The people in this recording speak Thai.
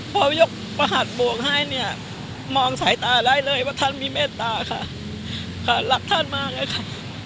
พอยกประหัสบวกให้เนี่ยมองสายตาได้เลยว่าท่านมีเมตตาค่ะรักท่านมากเลยค่ะ